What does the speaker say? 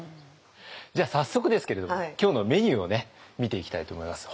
じゃあ早速ですけれども今日のメニューを見ていきたいと思います。